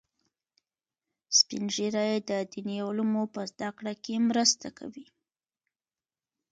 سپین ږیری د دیني علومو په زده کړه کې مرسته کوي